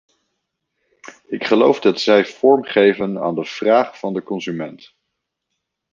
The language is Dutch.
Ik geloof dat zij vorm geven aan de vraag van de consument.